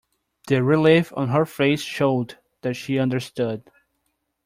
The relief on her face showed that she understood.